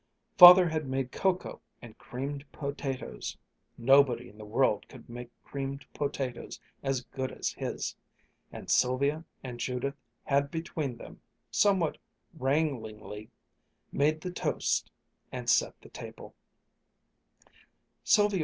Father had made cocoa and creamed potatoes nobody in the world could make creamed potatoes as good as his and Sylvia and Judith had between them, somewhat wranglingly, made the toast and set the table.